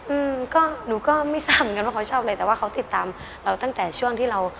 อืมก็หนูก็ไม่ทราบเหมือนกันว่าเขาชอบอะไรแต่ว่าเขาติดตามเราตั้งแต่ช่วงที่เรา